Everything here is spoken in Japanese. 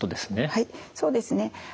はいそうですね。